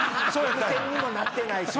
伏線にもなってない。